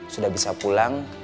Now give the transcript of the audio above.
sudah bisa pulang